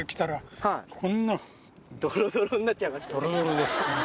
ドロドロです。